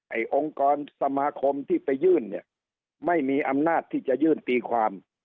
องค์กรสมาคมที่ไปยื่นเนี่ยไม่มีอำนาจที่จะยื่นตีความ